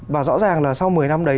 và rõ ràng là sau một mươi năm đấy